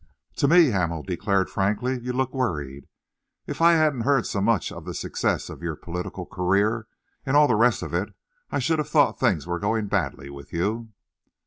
"To me," Hamel declared frankly, "you look worried. If I hadn't heard so much of the success of your political career and all the rest of it, I should have thought that things were going badly with you."